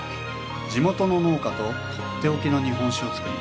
地元の農家と取って置きの日本酒を造り